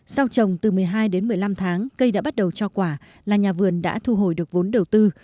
sau trồng từ một mươi hai đến một mươi năm tháng cây đã bắt đầu cho quả là nhà vườn đã thu hồi được vốn đầu tư